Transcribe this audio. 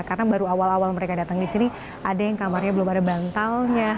karena baru awal awal mereka datang di sini ada yang kamarnya belum ada bantalnya